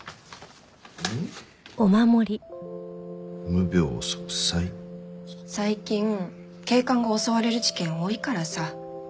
「無病息災」最近警官が襲われる事件多いからさ。